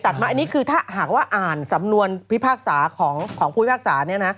มาอันนี้คือถ้าหากว่าอ่านสำนวนพิพากษาของผู้พิพากษา